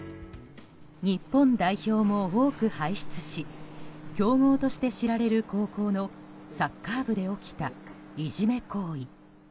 日本代表も多く輩出し強豪として知られる高校のサッカー部で起きたいじめ行為。